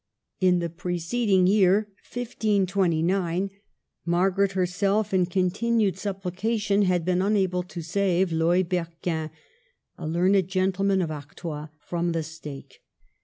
In the preceding year (1529) Margaret herself, in continued suppli cation, had been unable to save Loys Berquin, a learned gentleman of Artois, from the stake.